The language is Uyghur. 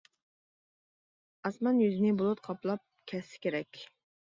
ئاسمان يۈزىنى بۇلۇت قاپلاپ كەتسە كېرەك.